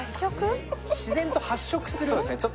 自然と発色するのね。